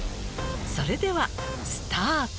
それではスタート。